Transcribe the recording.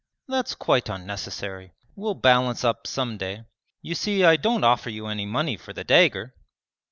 'That's quite unnecessary. We'll balance up some day. You see I don't offer you any money for the dagger!'